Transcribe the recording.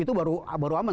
itu baru aman